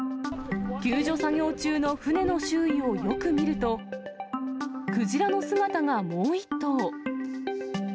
救助作業中の船の周囲をよく見ると、クジラの姿がもう１頭。